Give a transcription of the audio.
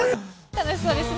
楽しそうですね。